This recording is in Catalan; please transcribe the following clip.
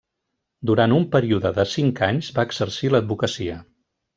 Durant un període de cinc anys va exercir l'advocacia.